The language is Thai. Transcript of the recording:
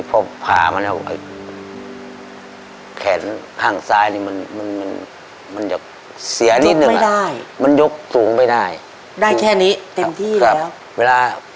พอพามาเนี่ยแขนข้างซ้ายมันมันมันมันจะเสียนิดหนึ่งไม่ได้มันยกสูงไม่ได้ได้แค่นี้เต็มที่แล้วเวลา